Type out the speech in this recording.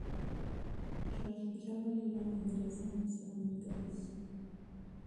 شاه شجاع ولي له انګریزانو سره ملګری شو؟